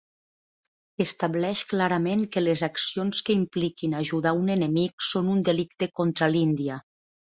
Estableix clarament que les accions que impliquin ajudar un enemic són un delicte contra l'Índia.